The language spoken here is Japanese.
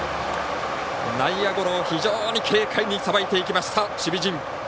内野ゴロを非常に軽快にさばいていった守備陣。